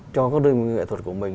cho các đơn vị nghệ thuật của mình